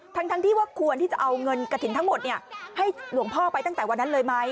ทั้งที่ว่าควรที่จะเอาเงินกระถิ่นทั้งหมดให้หลวงพ่อไปตั้งแต่วันนั้นเลยไหม